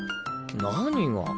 何が？